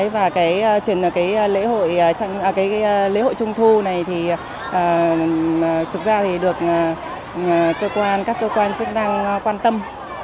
và cái lễ hội trung thu này thì thực ra được các cơ quan sức năng quan tâm